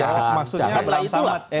maksudnya mas mbak budayanto